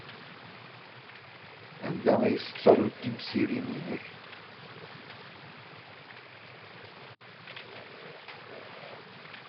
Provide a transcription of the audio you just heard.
Anda ay tettaruḍ timsirin-nnek?